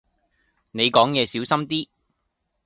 你講野小心啲